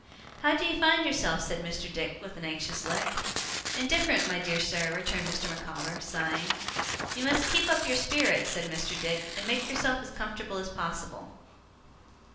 'How do you find yourself?' said Mr. Dick, with an anxious look. 'Indifferent, my dear sir,' returned Mr. Micawber, sighing. 'You must keep up your spirits,' said Mr. Dick, 'and make yourself as comfortable as possible.